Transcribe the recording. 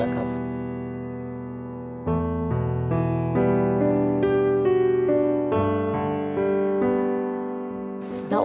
ลูกบ้าน